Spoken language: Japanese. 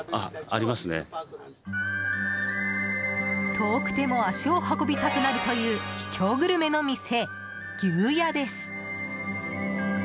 遠くても足を運びたくなるという秘境グルメの店、ぎゅうやです。